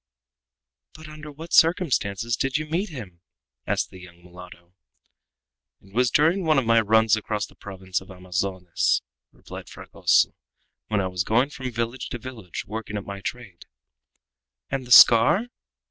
"But under what circumstances did you meet him?" asked the young mulatto. "It was during one of my runs across the province of Amazones," replied Fragoso, "when I was going from village to village, working at my trade." "And the scar?"